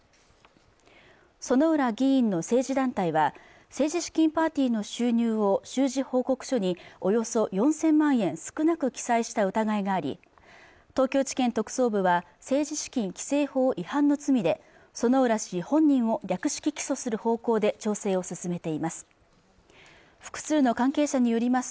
薗浦議員の政治団体は政治資金パーティーの収入を収支報告書におよそ４０００万円少なく記載した疑いがあり東京地検特捜部は政治資金規正法違反の罪で薗浦氏本人を略式起訴する方向で調整を進めています